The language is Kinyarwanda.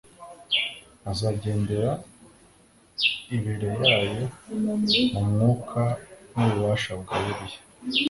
azagendera ibere yayo mu mwuka n'ububasha bya Eliya